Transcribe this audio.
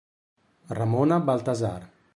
Ramona Balthasar